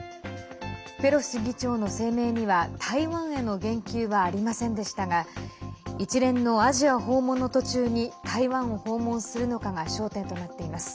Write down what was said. ペロシ議長の声明には台湾への言及はありませんでしたが一連のアジア訪問の途中に台湾を訪問するのかが焦点となっています。